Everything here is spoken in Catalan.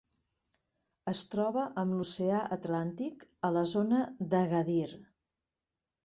Es troba amb l'oceà Atlàntic a la zona d'Agadir.